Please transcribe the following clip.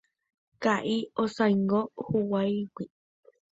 Ka'i osãingo huguáigui.